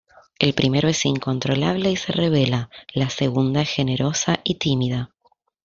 El primero es incontrolable y se rebela; la segunda es generosa y tímida.